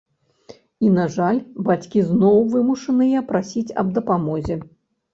І, на жаль, бацькі зноў вымушаныя прасіць аб дапамозе.